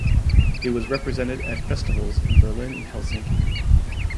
It was represented at festivals in Berlin and Helsinki.